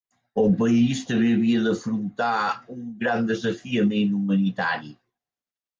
El país també havia d'afrontar un gran desafiament humanitari.